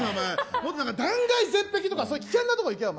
もっと断崖絶壁とか、そういう危険なとこ行けよ。